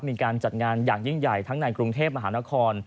มีการจัดงานอย่างยิ่งใหญ่ทั้งในกรุงเทพมหานคร